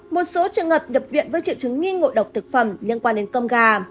một số trường hợp nhập viện với triệu chứng nghi ngộ độc thực phẩm liên quan đến cơm gà